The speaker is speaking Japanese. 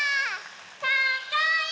かっこいい！